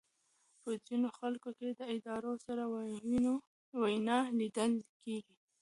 په ځینو خلکو کې د ادرار سره وینه لیدل کېږي.